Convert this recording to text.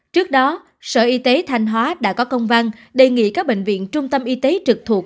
trước đó sở y tế thanh hóa đã có công văn đề nghị các bệnh viện trung tâm y tế trực thuộc